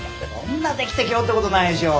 女できて凶ってことないでしょ。